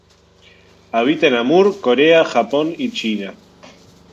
Habita en Amur, Corea, Japón y China.